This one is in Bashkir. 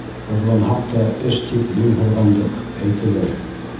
Һыҙланһаҡ та, эш тип ең һыҙғандыҡ, Әйтелер.